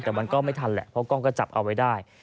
แต่มันก็ไม่ทันแหละเพราะกล้องก็จับเอาไว้ได้